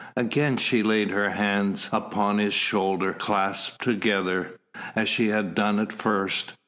Again she laid her hands upon his shoulder clasped together, as she had done at first.